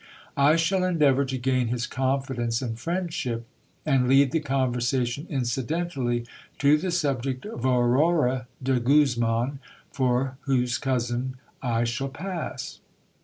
I shall endeavour to gain his confidence and ! friendship, and lead the conversation incidentally to the subject of Aurora de | Guzman, for whose cousin I shall pass.